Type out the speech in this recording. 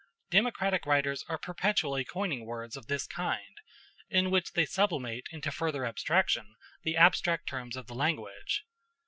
Democratic writers are perpetually coining words of this kind, in which they sublimate into further abstraction the abstract terms of the language.